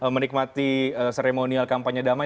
menikmati seremonial kampanye damai